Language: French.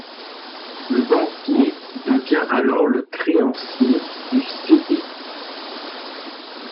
Le banquier devient alors le créancier du cédé.